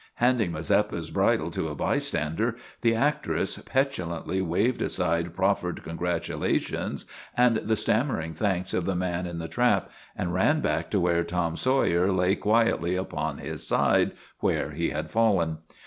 Handing Mazeppa's bridle to a bystander, the actress petulantly waved aside proffered congratula tions and the stammering thanks of the man in the trap, and ran back to where Tom Sawyer lay quietly upon his side where he had fallen.